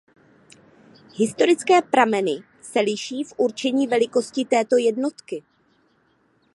Historické prameny se liší v určení velikosti této jednotky.